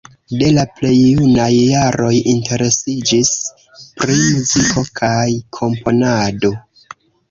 De la plej junaj jaroj interesiĝis pri muziko kaj komponado.